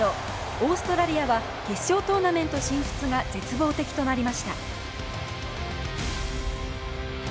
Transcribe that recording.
オーストラリアは決勝トーナメント進出が絶望的となりました。